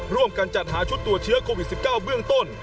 ร่วมกันจัดหาชุดตรวจเชื้อโควิด๑๙เบื้องต้น